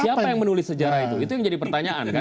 siapa yang menulis sejarah itu itu yang jadi pertanyaan kan